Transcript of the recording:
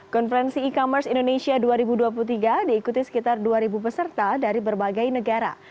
konferensi e commerce indonesia dua ribu dua puluh tiga diikuti sekitar dua peserta dari berbagai negara